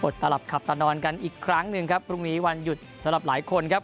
ตลับขับตานอนกันอีกครั้งหนึ่งครับพรุ่งนี้วันหยุดสำหรับหลายคนครับ